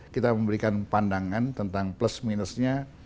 kita memberikan pandangan tentang plus minusnya